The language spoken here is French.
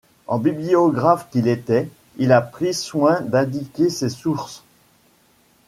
En bibliographe qu'il était, il a pris soin d'indiquer ses sources.